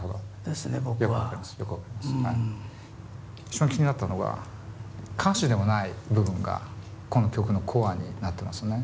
一番気になったのが歌詞でもない部分がこの曲のコアになってますね。